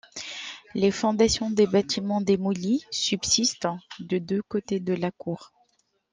Les fondations de bâtiments démolis subsistent de deux côtés de la cour.